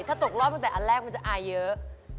ถ้าตกรอบตั้งแต่อันแรกมันจะอายเยอะ